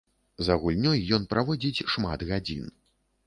За гульнёй ён праводзіць шмат гадзін.